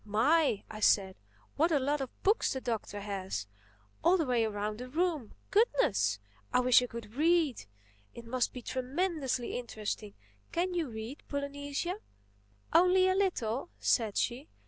"My!" I said, "what a lot of books the Doctor has—all the way around the room! Goodness! I wish I could read! It must be tremendously interesting. Can you read, Polynesia?" "Only a little," said she.